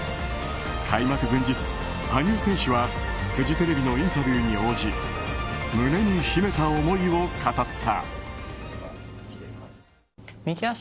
開幕前日、羽生選手はフジテレビのインタビューに応じ胸に秘めた思いを語った。